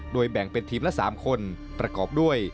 โดยแบ่งเป็นทีมละ๓คนประกอบด้วย